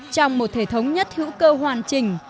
trong một thể thống nhất hữu cơ hoàn chỉnh